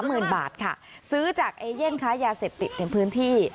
หมื่นบาทค่ะซื้อจากเอเย่นค้ายาเสพติดในพื้นที่